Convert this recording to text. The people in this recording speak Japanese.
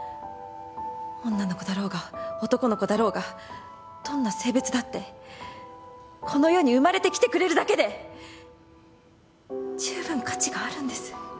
女の子だろうが男の子だろうがどんな性別だってこの世に生まれてきてくれるだけでじゅうぶん価値があるんです。